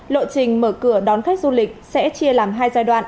lộ trình mở cửa đón khách du lịch sẽ chia làm hai giai đoạn